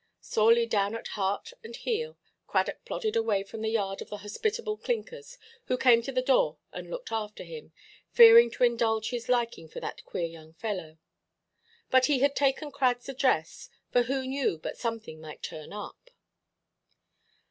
Sorely down at heart and heel, Cradock plodded away from the yard of the hospitable Clinkers, who came to the door and looked after him, fearing to indulge his liking for that queer young fellow. But he had taken Cradʼs address; for who knew but something might turn up?